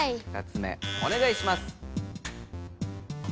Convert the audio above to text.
２つ目おねがいします。